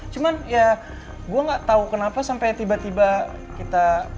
cuman ya gue gak tau kenapa sampai tiba tiba kita